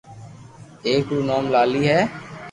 اآڪ رو نوم لالي ھي